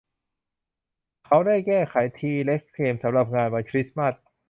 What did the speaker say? เขาได้แก้ไขทีเร็กซ์เกมสำหรับงานวันคริสต์มาส